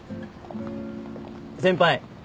先輩